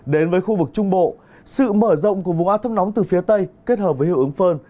đến với khu vực trung bộ sự mở rộng của vùng áp thấp nóng từ phía tây kết hợp với hiệu ứng phơn